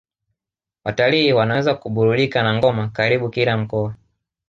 Watalii wanaweza kuburudika na ngoma karibu kila mkoa